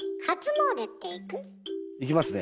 行きますね。